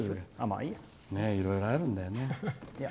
いろいろあるんだよね。